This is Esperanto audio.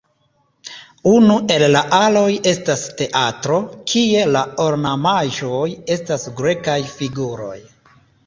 Unu el la aloj estas teatro, kie la ornamaĵoj estas grekaj figuroj.